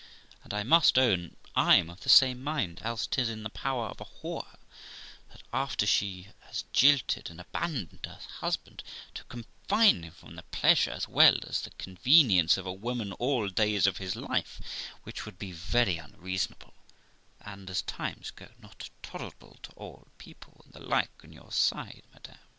And, I must own, I am of the same mind ; else it is in the power of a whore, after she has jilted and abandoned her husband, to confine him from the pleasure as well as convenience of a woman all the THE LIFE OF ROXANA 215 days of his fife, which would be very unreasonable, and, as times go, not tolerable to all people; and the like on your side, madam.'